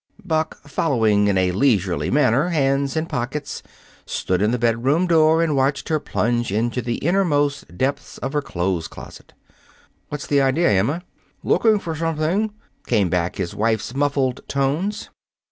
Buck, following in a leisurely manner, hands in pockets, stood in the bedroom door and watched her plunge into the innermost depths of the clothes closet. "What's the idea, Emma?" "Looking for something," came back his wife's muffled tones.